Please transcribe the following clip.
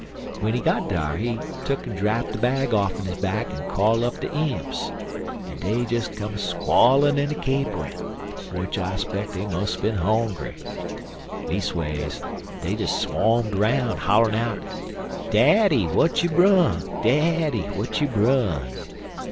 W'en he got dar he tuck'n drap de bag off'n his back en call up de imps, en dey des come a squallin' en a caperin', w'ich I speck dey mus' a bin hongry. Leas'ways dey des swawm'd 'roun', hollerin' out: "'Daddy, w'at you brung daddy, w'at you brung?'